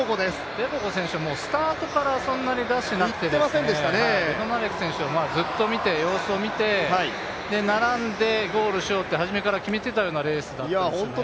テボゴ選手、スタートからそんなに出してなくてベドナレク選手をずっと様子を見て並んでゴールをしようと初めから決めていたようなレースでしたよね。